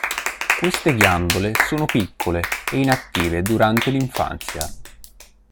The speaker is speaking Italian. Queste ghiandole sono piccole e inattive durante l'infanzia.